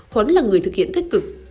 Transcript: huấn là người thực hiện thích cực